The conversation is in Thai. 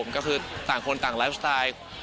ก็คือต่างคนต่างไลฟ์สไตล์